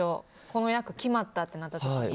この役決まったとなった時に。